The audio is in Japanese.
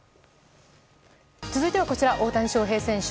続いてはこちら大谷翔平選手。